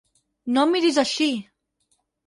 No em miris així!